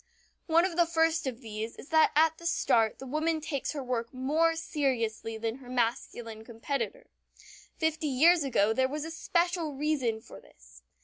One of the first of these is that at the start the woman takes her work more seriously than her masculine competitor. Fifty years ago there was special reason for this.